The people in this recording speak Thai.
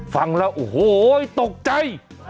ฟังแล้วโอ้โหตกใจ